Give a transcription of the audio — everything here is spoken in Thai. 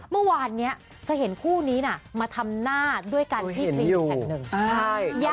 เมื่อวานนี้เธอเห็นคู่นี้มาทำหน้าด้วยกันที่คลินิกแห่งหนึ่ง